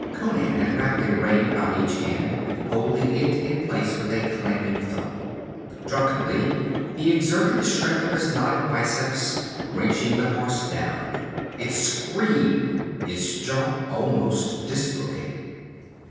Conan had wrapped a rein about each hand, holding it in place with a clamping thumb. Drunkenly he exerted the strength of his knotted biceps, wrenching the horse down; it screamed, its jaw almost dislocated.